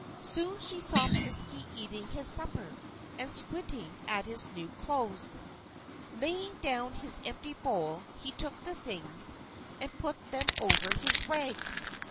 Soon she saw the Piskey eating his supper, and squinting at the new clothes. Laying down his empty bowl, he took the things, and put them on over his rags.